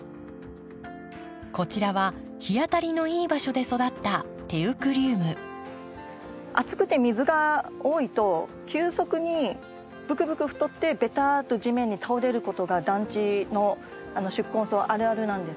こちらは日当たりのいい場所で育った暑くて水が多いと急速にぶくぶく太ってべたっと地面に倒れることが暖地の宿根草あるあるなんですよね。